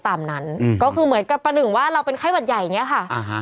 ตามนั้นก็คือเหมือนกับประหนึ่งว่าเราเป็นไข้หวัดใหญ่อย่างนี้ค่ะ